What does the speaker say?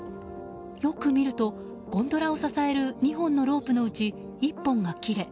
よく見るとゴンドラを支える２本のロープのうち１本が切れ